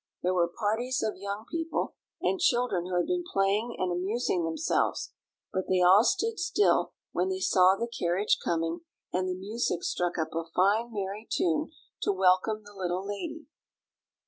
There were parties of young people and children who had been playing and amusing themselves, but they all stood still when they saw the carriage coming, and the music struck up a fine merry tune to welcome the little lady.